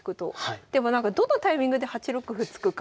でもなんかどのタイミングで８六歩突くか難しいですね。